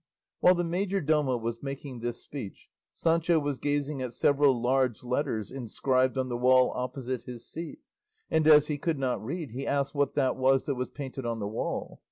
While the majordomo was making this speech Sancho was gazing at several large letters inscribed on the wall opposite his seat, and as he could not read he asked what that was that was painted on the wall.